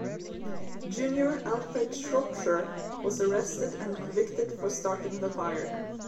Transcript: Junior Alfred Shropshire was arrested and convicted for starting the fire.